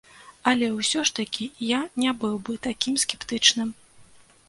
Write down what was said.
Але ўсё ж такі я не быў бы такім скептычным.